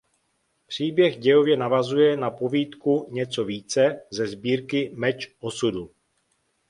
Příběh dějově navazuje na povídku "Něco více" ze sbírky "Meč osudu".